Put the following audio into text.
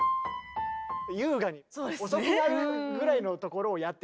優雅に遅くなるぐらいのところをやってるから。